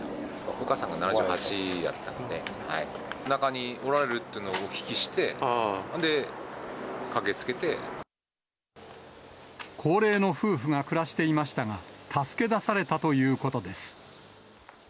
お母さんが７８やったので、中におられるっていうのをお聞き高齢の夫婦が暮らしていましたが、助け出されたということです。